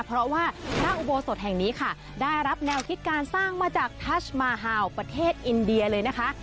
เพราะว่าพระอุโบสถแห่งนี้ค่ะได้รับแนวคิดการสร้างมาจากทัชมาฮาวประเทศอินเดียเลยนะคะ